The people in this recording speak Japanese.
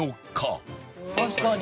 確かに。